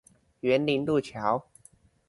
員林陸橋